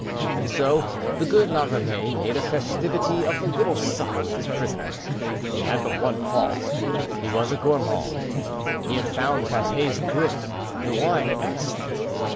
And so the good La Ramee made a festivity of the little supper with his prisoner. He had but one fault—he was a gourmand; he had found the pates good, the wine excellent.